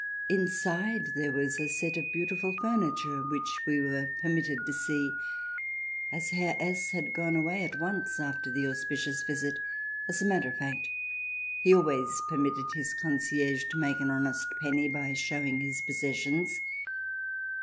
Inside there was a set of beautiful furniture which we were permitted to see, as Herr S had gone away at once after the auspicious visit. As a matter of fact, he always permitted his concierge to make an honest penny by showing his possessions.